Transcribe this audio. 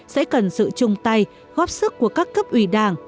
sẽ cần sự chung tay góp sức của các cấp ủy đảng